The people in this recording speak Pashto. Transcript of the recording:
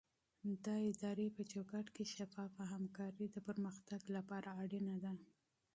د ادارې په چوکاټ کې شفافه همکاري د پرمختګ لپاره ضروري ده.